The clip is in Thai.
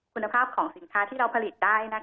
คุณภาพของสินค้าที่เราผลิตได้